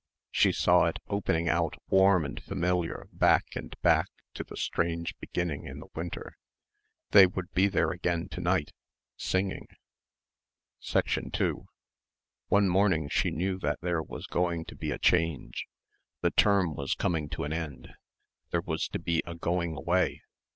She saw it opening out warm and familiar back and back to the strange beginning in the winter. They would be there again to night, singing. 2 One morning she knew that there was going to be a change. The term was coming to an end. There was to be a going away.